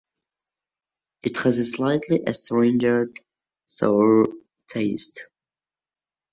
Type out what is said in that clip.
It has a slightly astringent sour taste.